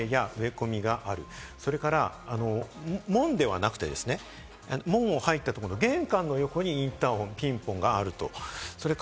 １つは高い塀や植え込みがある、それから門ではなくて門を入ったところの玄関の横にインターホン、ピンポンがある。